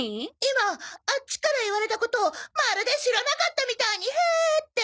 今あっちから言われたことをまるで知らなかったみたいにへえって。